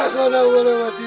kau tak mau lewati